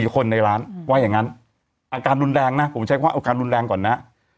คนในร้านว่าอย่างนั้นอาการรุนแรงนะผมใช้ความอาการรุนแรงก่อนนะ